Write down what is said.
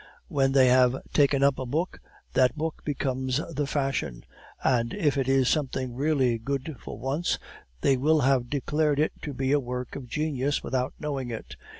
When they have taken up a book, that book becomes the fashion; and if it is something really good for once, they will have declared it to be a work of genius without knowing it.